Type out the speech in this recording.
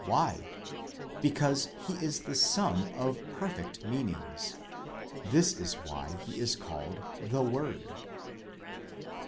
Why ? because he is the sum of perfect meanings. This is why he is called the Word.